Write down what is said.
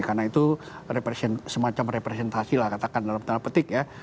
karena itu semacam representasi lah katakan dalam tanda petik ya